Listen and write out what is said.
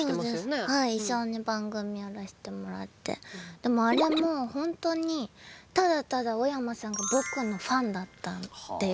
でもあれも本当にただただ小山さんが僕のファンだったっていう。